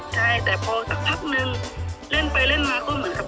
ใช่แต่พอสักพักนึงเล่นไปเล่นมาก็เหมือนกับ